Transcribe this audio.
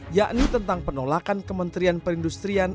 yakni tentang penolakan kementerian perindustrian